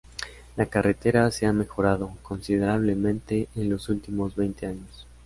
La carretera se ha mejorado considerablemente en los últimos veinte años.